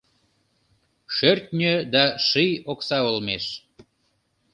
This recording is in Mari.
Шӧртньӧ да ший окса олмеш